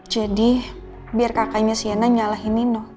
jadi biar kakaknya shena nyalahin nino